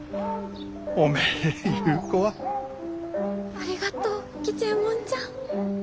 ありがとう吉右衛門ちゃん。